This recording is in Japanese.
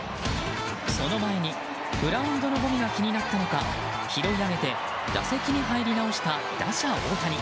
その前に、グラウンドのごみが気になったのか拾い上げて、打席に入り直した打者・大谷。